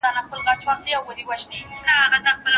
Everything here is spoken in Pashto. آیا درجو سانتي ګراد تر فارنهایټ توپیر لري؟